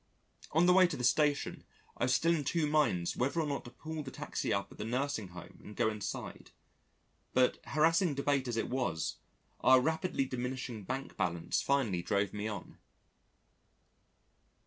On the way to the Station I was still in two minds whether or not to pull the taxi up at the Nursing Home and go inside, but harassing debate as it was, our rapidly diminishing bank balance finally drove me on.